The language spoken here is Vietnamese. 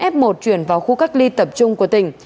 f một chuyển vào khu cách ly tập trung của tỉnh